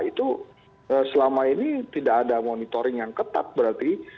itu selama ini tidak ada monitoring yang ketat berarti